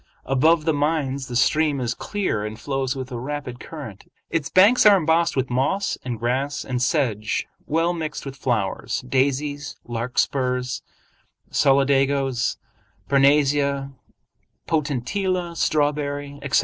Above the mines the stream is clear and flows with a rapid current. Its banks are embossed with moss and grass and sedge well mixed with flowers—daisies, larkspurs, solidagos, parnassia, potentilla, strawberry, etc.